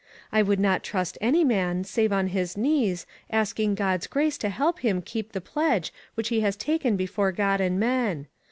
I would not trust any man, save on his knees, asking God's grace to help him keep the pledge which he has taken before God and men.